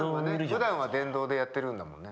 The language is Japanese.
ふだんは電動でやってるんだもんね。